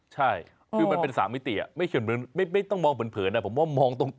ใช่คือมันเป็น๓มิติไม่ต้องมองเผินผมว่ามองตรง